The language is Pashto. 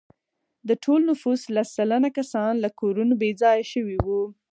د ټول نفوس لس سلنه کسان له کورونو بې ځایه شوي وو.